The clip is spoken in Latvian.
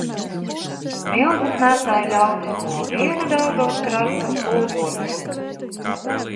Milzis nēsāja ļaudis no viena Daugavas krasta uz otru.